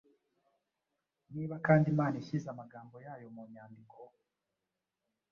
Niba kandi Imana ishyize amagambo yayo mu nyandiko